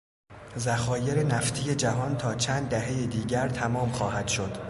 ذخایر نفتی جهان تا چند دههی دیگر تمام خواهد شد.